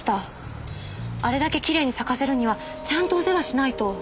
あれだけきれいに咲かせるにはちゃんとお世話しないと。